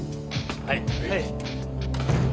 はい。